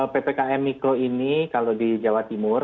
ppkm mikro ini kalau di jawa timur